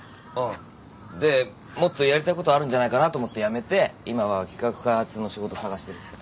ああでもっとやりたいことあるんじゃないかなと思って辞めて今は企画開発の仕事探してる。